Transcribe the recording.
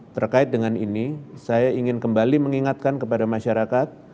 terkait dengan ini saya ingin kembali mengingatkan kepada masyarakat